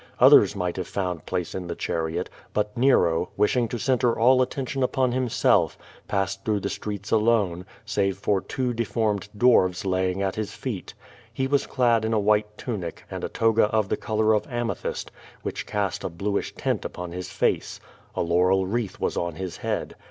Others might have found place in the chariot, but Nero, wishing to centre all attention upon himself, passed through the streets alone, save for two deformed dwarfs lay ing at his feet. He was clad in a white tunic, and a toga of tlie color of ametliyst, which cast a bluish tint iij)on his face. A laurel wreath was on his head.